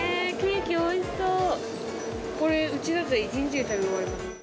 これうちだと一日で食べ終わります。